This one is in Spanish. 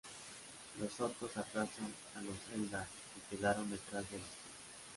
Los Orcos aplastan a los Eldar que quedaron detrás del escudo.